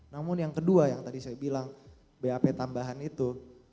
namun yang kedua yang tadi saya bilang bap tambahan itu